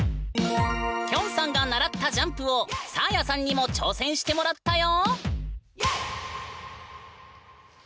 きょんさんが習ったジャンプをサーヤさんにも挑戦してもらったよ！